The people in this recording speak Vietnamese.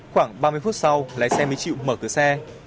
khoảng ba mươi phút sau lái xe mới chịu mở cửa xe